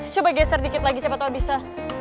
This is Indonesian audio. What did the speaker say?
coba geser dikit lagi siapa tau bisa